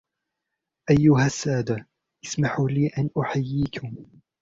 أيها السادة ، اسمحوا لي أن أحييكم.